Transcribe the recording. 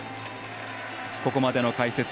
ここまでの解説